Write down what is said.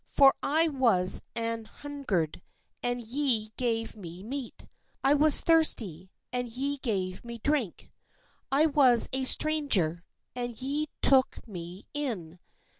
For I was an hun gered, and ye gave me meat : I was thirsty, and ye gave me drink: I was a THE SHEEP AND THE GOATS stranger, and ye took me in.